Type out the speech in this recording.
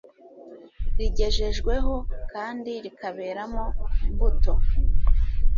rigejejweho kandi rikaberamo imbuto